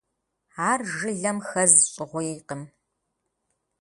Ар жылэм хэз щӏыгъуейкъым.